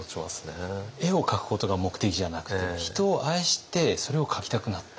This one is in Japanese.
絵を描くことが目的じゃなくて人を愛してそれを描きたくなった。